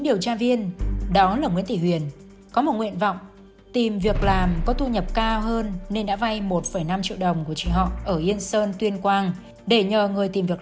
việc khám nhà nạn nhân đã chứng minh thông tin huyền vai tiền để xin việc làm của nạn nhân